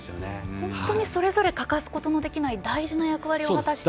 本当にそれぞれ欠かすことのできない大事な役割を果たしていて。